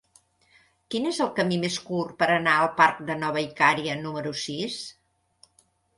Quin és el camí més curt per anar al parc de Nova Icària número sis?